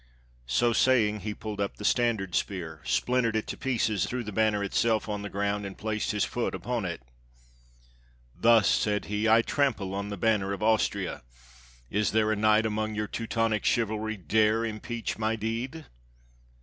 So saying, he pulled up the standard spear, splintered it to pieces, threw the banner itself on the ground, and placed his foot upon it. "Thus," said he, "I trample on the banner of Austria — is there a knight among your Teutonic chivalry dare impeach my deed?"